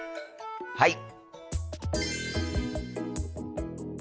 はい！